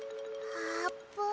あーぷん？